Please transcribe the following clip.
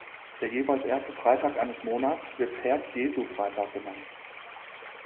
Der jeweils erste Freitag eines Monats wird Herz-Jesu-Freitag genannt.